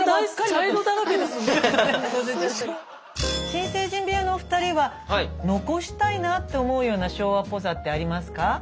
新成人部屋のお二人は残したいなって思うような昭和っぽさってありますか？